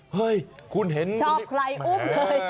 เฮ้ยคุณเห็นชอบใครอุ้มเคย